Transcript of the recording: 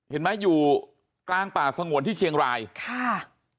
เห็นไหมอยู่กลางป่าสงวนที่เชียงรายค่ะ